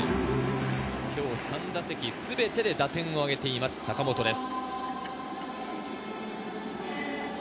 今日３打席すべてで打点を挙げている坂本です。